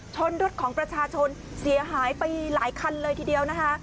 ชนรถของประชาชนเสียหายไปหลายคันเลยทีเดียวนะคะ